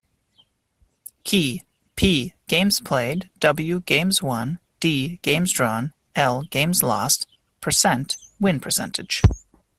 "Key: P–games played, W–games won, D–games drawn; L–games lost, %–win percentage"